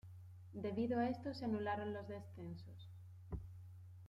Debido a esto se anularon los descensos.